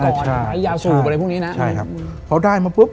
ใช่ใช่ไฟล์ยาสุอะไรพวกนี้นะใช่ครับเขาได้มาปุ๊บ